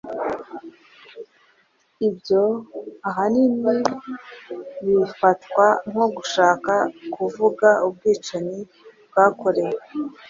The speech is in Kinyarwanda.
Ibyo ahanini bifatwa nko gushaka kuvuga ubwicanyi bwakorewe